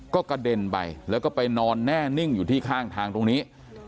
ก็กระเด็นไปแล้วก็ไปนอนแน่นิ่งอยู่ที่ข้างทางตรงนี้